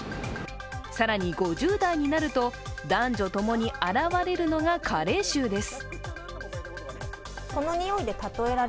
更に５０代になると男女共に現れるのが加齢臭です。